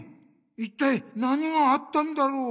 いったい何があったんだろう？